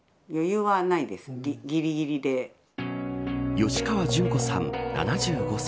吉川順子さん７５歳。